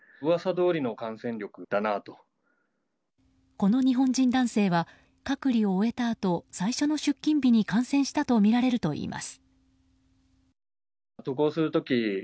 この日本人男性は隔離を終えたあと最初の出勤日に感染したとみられるといいます。